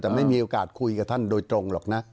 แต่ไม่มีโอกาสคุยกับท่านโดยตรงหรอกนะ